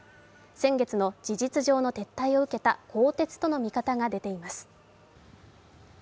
先月の事実上の撤退を受けた更迭との見方が出ています。